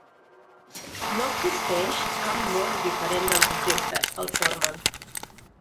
No existeix cap món diferent dels objectes que el formen.